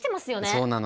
そうなの。